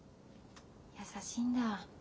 優しいんだ。